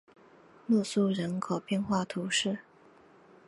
洛苏人口变化图示